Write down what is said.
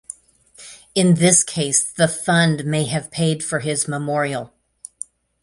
In this case the fund may have paid for his memorial.